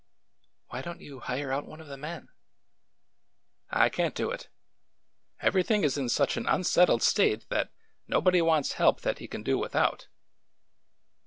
Why don't you hire out one of the men ?" I can't do it. Everything is in such an unsettled state that nobody wants help that he can do without.